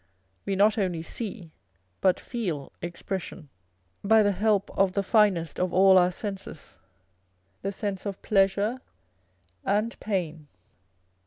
We not only see, but feel expression, by the help of the finest of all our senses â€" the sense of pleasure and pain.